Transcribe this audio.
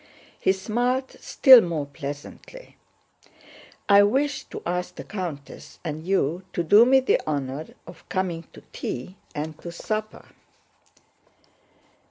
(He smiled still more pleasantly.) "I wished to ask the countess and you to do me the honor of coming to tea and to supper."